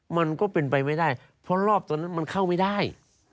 มันก็เป็นไปไม่ได้เพราะรอบตอนนั้นมันเข้าไม่ได้